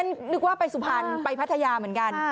นึกว่าไปสุพรรณไปพัทยาเหมือนกัน